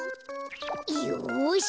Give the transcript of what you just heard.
よし！